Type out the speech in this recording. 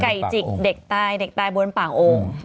ไก่จิกเด็กตายเด็กตายบนป่างโอง